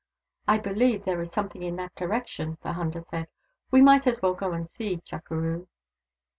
" I believe there is something in that direction," the hunter said. " We might as well go and see, Chukeroo."